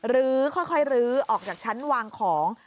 ลื้อค่อยลื้อออกจากชั้นวางของ